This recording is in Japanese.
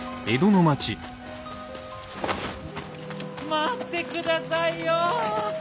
待ってくださいよ！